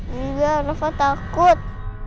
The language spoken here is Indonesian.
enggak rafa takut